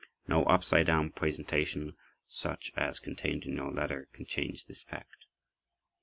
No upside down presentation such as contained in your letter can change this fact.